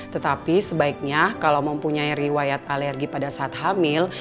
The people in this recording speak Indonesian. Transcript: tetapi sebaiknya kalau mempunyai riwayat alergi pada saat hamil